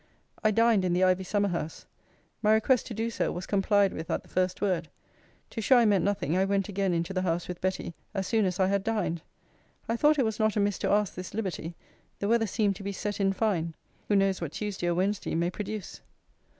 I dined in the ivy summer house. My request to do so, was complied with at the first word. To shew I meant nothing, I went again into the house with Betty, as soon as I had dined. I thought it was not amiss to ask this liberty; the weather seemed to be set in fine. Who knows what Tuesday or Wednesday may produce?